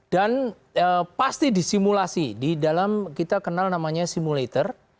dan pasti disimulasi di dalam kita kenal namanya simulator